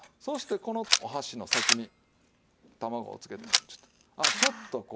そしてこのお箸の先に卵をつけてちょっと。